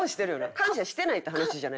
感謝してないって話じゃないから。